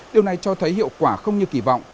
điều này cho thấy hiệu quả không như kỳ vọng